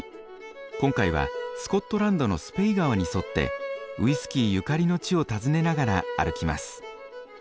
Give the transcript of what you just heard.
今回はスコットランドのスぺイ川に沿ってウイスキーゆかりの地を訪ねながら歩きます。